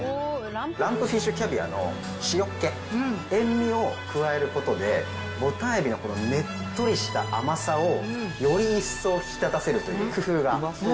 ランプフィッシュキャビアの塩っけ、塩味を加えることで、ぼたん海老のねっとりした甘さをより一層引き立たせるという工夫